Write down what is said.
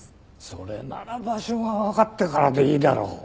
それなら場所がわかってからでいいだろう。